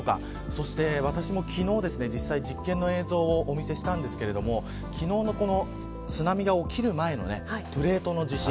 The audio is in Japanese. そして私も昨日、実際に実験の映像をお見せしましたが昨日の津波が起きる前のプレートの地震